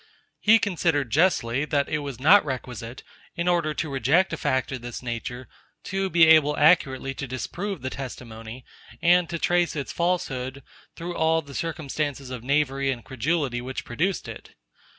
He considered justly, that it was not requisite, in order to reject a fact of this nature, to be able accurately to disprove the testimony, and to trace its falsehood, through all the circumstances of knavery and credulity which produced it.